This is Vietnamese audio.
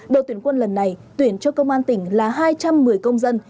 đội tuyển quân lần này tuyển cho công an tỉnh là hai trăm một mươi công dân